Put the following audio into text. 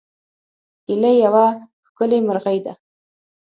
هیلۍ یوه ښکلې مرغۍ ده